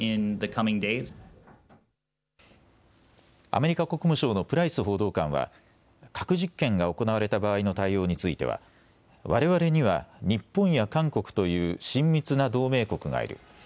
アメリカ国務省のプライス報道官は、核実験が行われた場合の対応については、われわれには日本や韓国という親密な同盟国がいる。